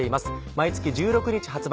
毎月１６日発売。